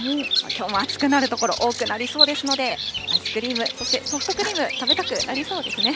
きょうも暑くなる所多くなりそうですので、アイスクリーム、そしてソフトクリーム、食べたくなりそうですね。